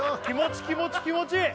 気持ち気持ち気持ち！